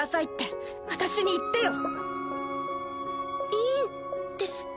いいんですか？